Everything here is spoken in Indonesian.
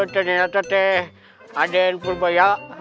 ternyata adik purbaia